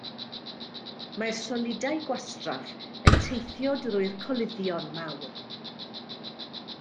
Mae'r solidau gwastraff yn teithio drwy'r coluddion mawr.